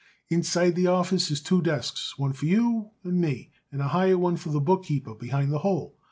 Inside the office is two desks, one for you and me, and a high one for the bookkeeper behind the hole.